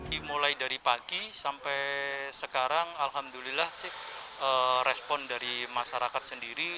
dimulai dari pagi sampai sekarang alhamdulillah sih respon dari masyarakat sendiri